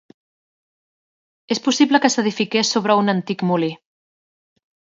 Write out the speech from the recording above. És possible que s'edifiqués sobre un antic molí.